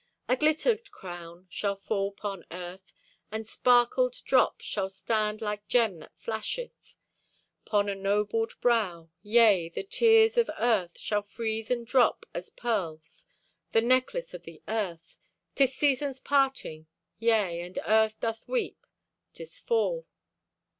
A glittered crown Shall fall 'pon earth, and sparkled drop Shall stand like gem that flasheth 'Pon a nobled brow. Yea, the tears Of earth shall freeze and drop As pearls, the necklace o' the earth. 'Tis season's parting. Yea, And earth doth weep. 'Tis Fall.